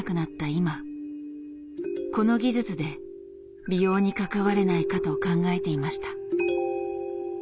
今この技術で美容に関われないかと考えていました。